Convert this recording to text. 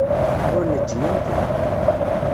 Ur neǧǧi amkan.